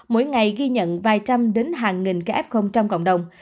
mỗi ngày ghi nhận vài trăm đến hàng nghìn ca f trong cộng đồng